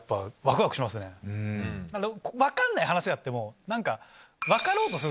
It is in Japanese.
分かんない話があっても。